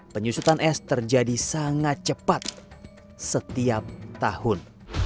penyusutan es terjadi sangat cepat setiap tahun